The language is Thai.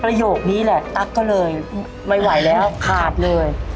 ประโยคนี้แหละตั๊กก็เลยไม่ไหวแล้วขาดเลย